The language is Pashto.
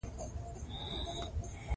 اداري دعوه د حق د خوندي کولو وسیله ده.